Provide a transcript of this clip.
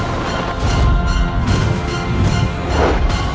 aku akan pergi ke istana yang lain